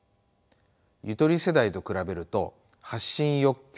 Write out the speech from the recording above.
ゆとり世代と比べると発信欲求